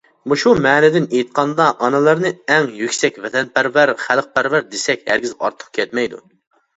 مۇشۇ مەنىدىن ئېيتقاندا ئانىلارنى ئەڭ يۈكسەك ۋەتەنپەرۋەر، خەلقپەرۋەر دېسەك ھەرگىز ئارتۇق كەتمەيدۇ.